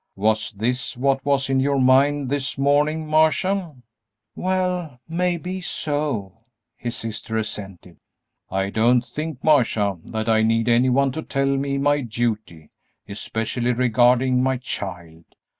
"Was this what was in your mind this morning, Marcia?" "Well, maybe so," his sister assented. "I don't think, Marcia, that I need any one to tell me my duty, especially regarding my child.